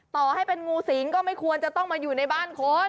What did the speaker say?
ต่อให้เป็นงูสิงก็ไม่ควรจะต้องมาอยู่ในบ้านคน